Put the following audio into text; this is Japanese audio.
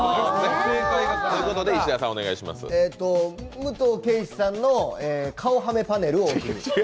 武藤敬司さんの顔はめパネルを置く。